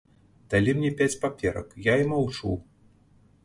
Далі мне пяць паперак, я і маўчу.